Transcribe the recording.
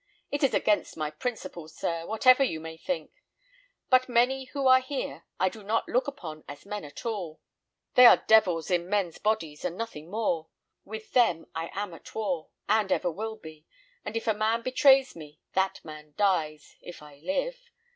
It is against my principles, sir, whatever you may think; but many who are here I do not look upon as men at all. They are devils in men's bodies, and nothing more. With them I am at war, and ever will be; and if a man betrays me, that man dies, if I live.